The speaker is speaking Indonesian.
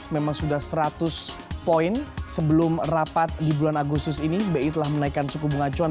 memang sudah seratus poin sebelum rapat di bulan agustus ini bi telah menaikkan suku bunga acuan